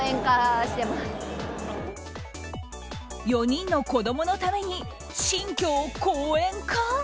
４人の子供のために新居を公園化？